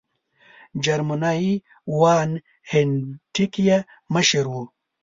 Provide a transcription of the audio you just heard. جرمنی وان هینټیګ یې مشر وو.